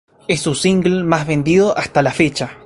Es su single más vendido hasta la fecha.